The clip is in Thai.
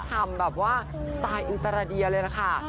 ทำแบบว่าสไตล์อินตราเดียเลยล่ะค่ะ